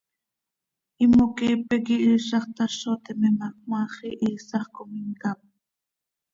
Imoqueepe quih iizax tazo teme ma, cmaax ihiisax com imcáp.